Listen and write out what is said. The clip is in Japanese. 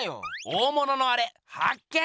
大物のアレ発見！